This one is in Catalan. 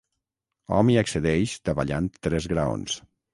Hom hi accedeix davallant tres graons.